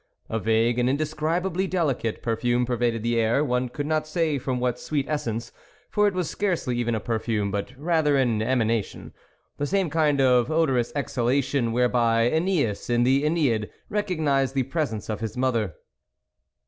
A vague and indescribably delicate per fume pervaded the air, one could not say from what sweet essence, for it was scarcely even a perfume, but rather an emanation, the same kind of odorous exhalation whereby /Eneas, in the JEneid, recognised the presence of his mother.